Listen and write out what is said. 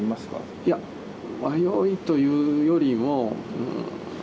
いや、迷いというよりも、うーん。